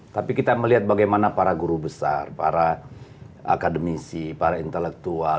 tapi kita melihat bagaimana para guru besar para akademisi para intelektual